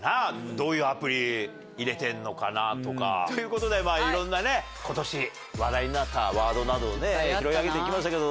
どういうアプリ入れてんのかなとか。ということでいろんなね今年話題になったワードなどを拾い上げて行きましたけど